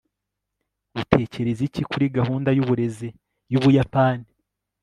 utekereza iki kuri gahunda y'uburezi y'ubuyapani